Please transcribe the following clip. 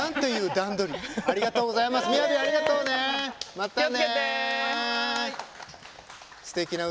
またね。